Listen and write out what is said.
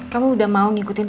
kamu udah mau ngikutin